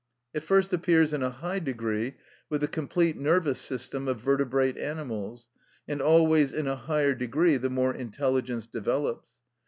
It first appears in a high degree with the complete nervous system of vertebrate animals, and always in a higher degree the more intelligence develops.